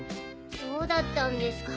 そうだったんですか。